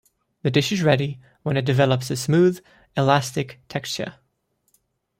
The dish is ready when it develops a smooth, elastic texture.